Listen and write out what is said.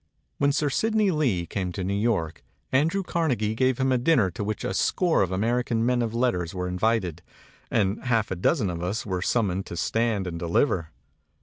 When Sir Sidney 1 me to New York, Andrew 271 MEMORIES OF MARK TWAIN Carnegie gave him a dinner to which a score of American men of letters were invited and half a dozen of us were summoned to stand and deliver.